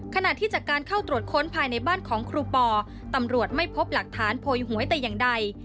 ขณะที่จากการเข้าตรวจค้นภายในบ้านของครูปอตำรวจไม่พบหลักฐานโพยหวยแต่อย่างใด